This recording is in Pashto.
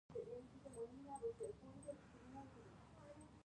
دوی خام مواد له نورو هیوادونو واردوي.